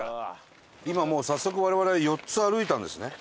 今もう早速我々は４つ歩いたんですね。